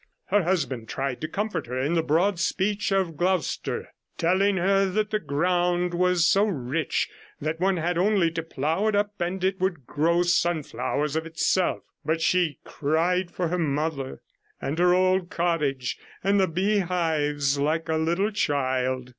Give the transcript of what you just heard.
Her husband tried to comfort her in the broad speech of Gloucestershire, telling her that the ground was so rich that one had only to plough it up and it would grow sunflowers of itself, but she cried for her mother and their old cottage and the beehives like a little child.